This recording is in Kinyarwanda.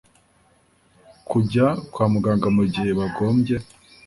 kujya kwa muganga mu gihe bagombye